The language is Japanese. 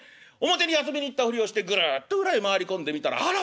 表に遊びに行ったふりをしてぐるっと裏へ回り込んでみたらあらビックリ。